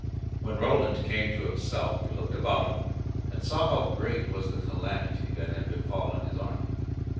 When Roland came to himself he looked about him and saw how great was the calamity that had befallen his army.